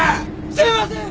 すいません！